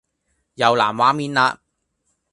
又藍畫面啦